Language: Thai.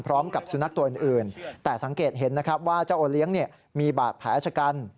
สำหรับสุนัขตัวอื่นแต่สังเกตเห็นนะครับว่าเจ้าโอเลี้ยงมีบาดแผลชะกัน